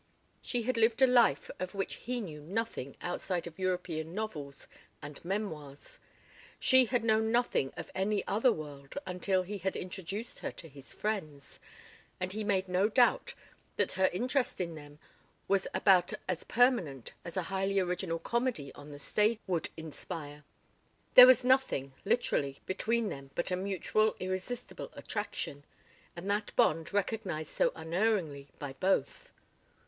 She had lived a life of which he knew nothing outside of European novels and memoirs. She had known nothing of any other world until he had introduced her to his friends, and he made no doubt that her interest in them was about as permanent as a highly original comedy on the stage would inspire. There was nothing, literally, between them but a mutual irresistible attraction, and that bond recognized so unerringly by both.